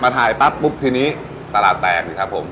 มาถ่ายปุ๊บปุ๊บที่นี้ตลาดแตก